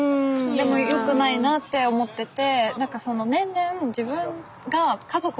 でもよくないなって思ってて。